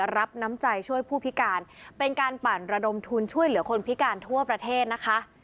รับน้ำใจช่วยผู้พิการเป็นการปั่นระดมทุนช่วยเหลือคนพิการทั่วประเทศนะคะ